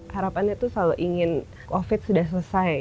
harapannya tuh selalu ingin covid sudah selesai